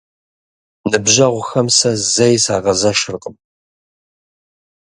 Ныбжьэгъухэм сэ зэи сагъэзэшыркъым.